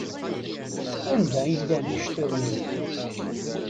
Anda i llan yiceṭṭen-iw?